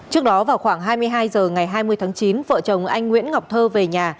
trước đó vào khoảng hai mươi hai h ngày hai mươi tháng chín vợ chồng anh nguyễn ngọc thơ về nhà